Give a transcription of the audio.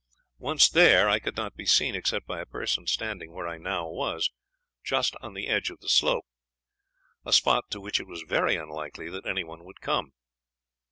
Once there I could not be seen except by a person standing where I now was, just on the edge of the slope, a spot to which it was very unlikely that anyone would come.